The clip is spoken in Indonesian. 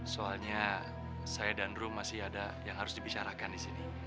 soalnya saya dan room masih ada yang harus dibicarakan di sini